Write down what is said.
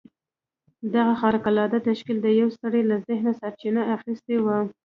دغه خارق العاده تشکيل د يوه سړي له ذهنه سرچينه اخيستې وه.